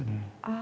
あ。